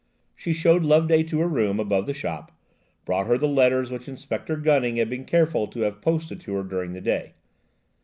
She showed Loveday to her room above the shop, brought her the letters which Inspector Gunning had been careful to have posted to her during the day.